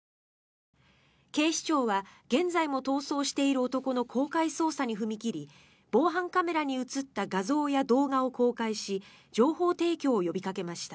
警視庁は現在も逃走している男の公開捜査に踏み切り防犯カメラに映った画像や動画を公開し情報提供を呼びかけました。